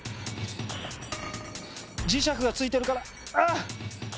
磁石が付いてるからあっ！